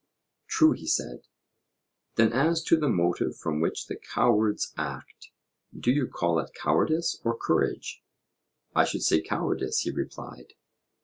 True, he said. Then as to the motive from which the cowards act, do you call it cowardice or courage? I should say cowardice, he replied.